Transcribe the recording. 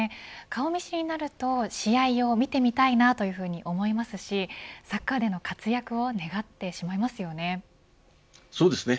顔見知りになると試合を見てみたいなというふうに思いますしサッカーでの活躍を願ってしまいますよね。